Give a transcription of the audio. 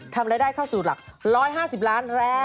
ทำรายได้เข้าสู่หลัก๑๕๐ล้านแรง